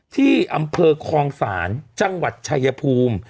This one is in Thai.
ที่อำเภอคลองศาลจังหวัดชายภูมิ